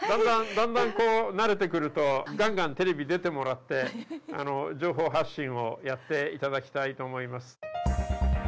だんだん慣れてくると、がんがんテレビ出てもらって、情報発信をやっていただきたいと思います。